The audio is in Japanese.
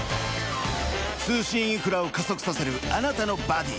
通信インフラを加速させるあなたのバディ。